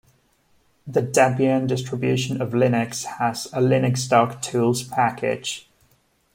The Debian distribution of Linux has a linuxdoc-tools package.